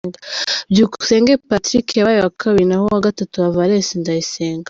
Byukusenge Patrick yabaye uwa kabiri naho uwa gatatu aba Valence Ndayisenga.